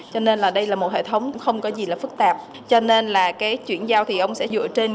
cho nên là đây là một hệ thống không có gì là phức tạp cho nên là cái chuyển giao thì ông sẽ dựa trên